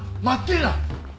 待ってえな！